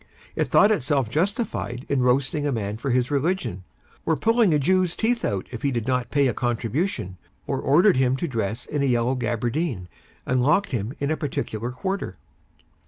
It thought itself justified in roasting a man for his religion, or pulling a Jew's teeth out if he did not pay a contribution, or ordered him to dress in a yellow gabardine, and locked him in a particular quarter.